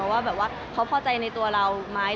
ว่าเขาพอใจในตัวเราไหม